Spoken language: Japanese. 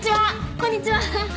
こんにちは。